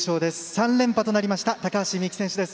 ３連覇となりました高橋美紀選手です。